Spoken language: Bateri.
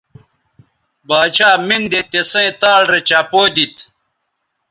باڇھا مِن دے تِسیئں تال رے چپو دیتھ